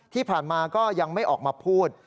ที่ผ่านมาก็ยังไม่ออกมาพูด